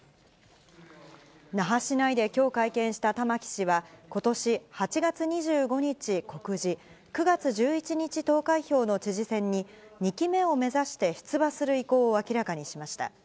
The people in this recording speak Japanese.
那覇市内できょう会見した玉城氏は、ことし８月２５日告示、９月１１日投開票の知事選に、２期目を目指して出馬する意向を明らかにしました。